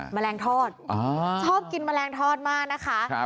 แมลงทอดชอบกินแมลงทอดมากนะคะ